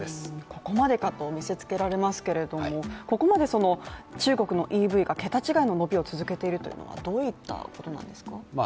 ここまでかと見せつけられますけれどもここまで中国のＥＶが桁違いの伸びを続けているというのはどういったことなんですか？